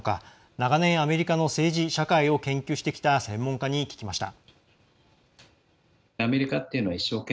長年、アメリカの政治社会を研究してきた専門家に聞きました。